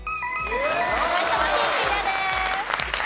埼玉県クリアです。